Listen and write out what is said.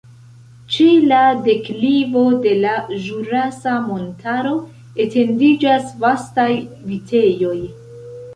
Ĉe la deklivo de la Ĵurasa Montaro etendiĝas vastaj vitejoj.